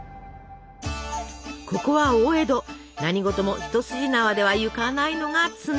ここは大江戸何事も一筋縄ではいかないのが常。